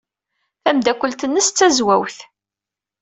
Tameddakelt-nnes d tazwawt.